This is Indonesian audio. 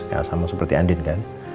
ya sama seperti andin kan